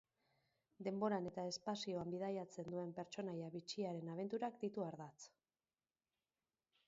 Denboran eta espazioan bidaiatzen duen pertsonaia bitxiaren abenturak ditu ardatz.